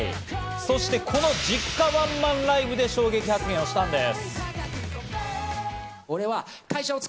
そして、この実家ワンマンライブで衝撃発言したんです。